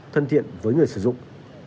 thân thiện với người sử dụng